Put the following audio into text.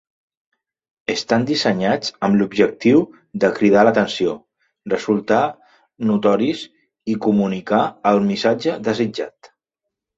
Estan dissenyats amb l'objectiu de cridar l'atenció, resultar notoris i comunicar el missatge desitjat.